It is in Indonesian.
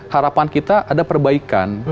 harapan kita ada perbaikan